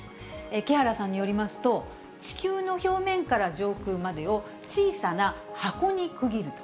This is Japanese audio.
木原さんによりますと、地球の表面から上空までを小さな箱に区切ると。